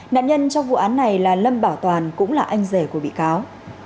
nạn nhân trong vụ án này là lâm bảo toàn cũng là anh rể của bị cáo